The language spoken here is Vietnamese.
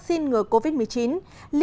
xin chào và hẹn gặp lại